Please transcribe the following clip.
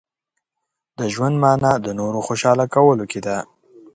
• د ژوند مانا د نورو خوشحاله کولو کې ده.